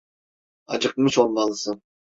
Acıkmış olmalısın.